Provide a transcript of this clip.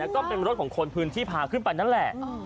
ก็เป็นรถของคนพื้นที่พาขึ้นไปนั่นแหละ